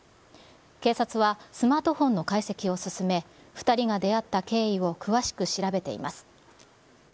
警察は、スマートフォンの解析を進め、２人が出会った経緯を詳しく調べています。